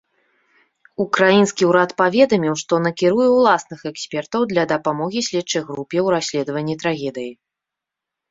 Украінскі ўрад паведаміў, што накіруе ўласных экспертаў для дапамогі следчай групе ў расследаванні трагедыі.